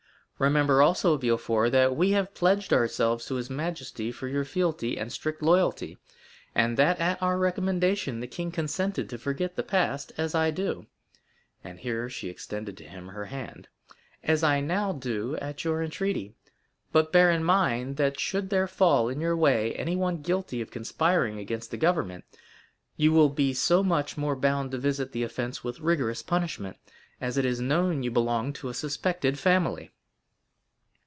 Remember, also, Villefort, that we have pledged ourselves to his majesty for your fealty and strict loyalty, and that at our recommendation the king consented to forget the past, as I do" (and here she extended to him her hand)—"as I now do at your entreaty. But bear in mind, that should there fall in your way anyone guilty of conspiring against the government, you will be so much the more bound to visit the offence with rigorous punishment, as it is known you belong to a suspected family."